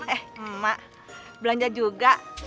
eh emak belanja juga